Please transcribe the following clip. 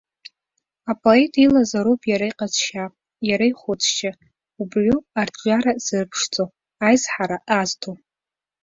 Апоет илазароуп иара иҟазшьа, иара ихәыцшьа, убриоуп арҿиара зырԥшӡо, аизҳара азҭо.